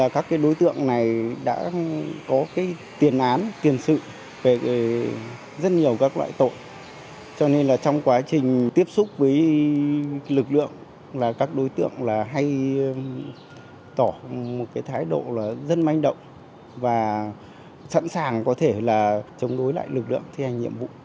các đối tượng hay tỏ một thái độ dân manh động và sẵn sàng có thể chống đối lại lực lượng thi hành nhiệm vụ